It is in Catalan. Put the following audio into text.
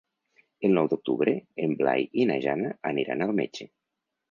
El nou d'octubre en Blai i na Jana aniran al metge.